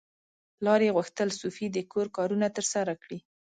پلار یې غوښتل سوفي د کور کارونه ترسره کړي.